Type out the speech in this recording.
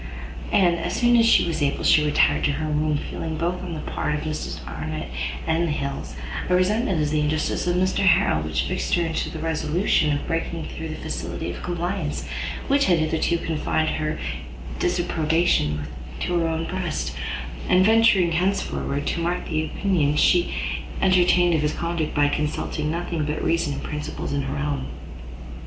And, as soon as she was able, she retired to her room, feeling, both on the part of Mr Arnott and the Hills, a resentment at the injustice of Mr Harrel, which fixed her in the resolution of breaking through that facility of compliance, which had hitherto confined her disapprobation to her own breast, and venturing, henceforward, to mark the opinion she entertained of his conduct by consulting nothing but reason and principle in her own.